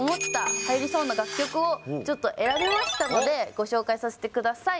はやりそうな楽曲を、ちょっと選びましたので、ご紹介させてください。